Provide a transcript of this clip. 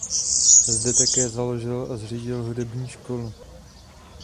Zde také založil a řídil hudební školu.